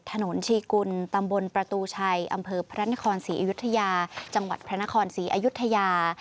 ชีกุลตำบลประตูชัยอำเภอพระนครศรีอยุธยาจังหวัดพระนครศรีอยุธยา